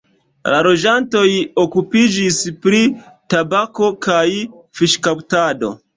La loĝantoj okupiĝis pri tabako kaj fiŝkaptado.